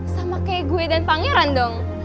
sama kayak gue dan pangeran dong